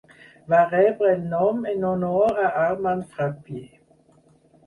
Va rebre el nom en honor a Armand Frappier.